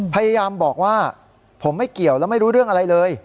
พยายามบอกว่าผมไม่เกี่ยวแล้วไม่รู้เรื่องอะไรเลย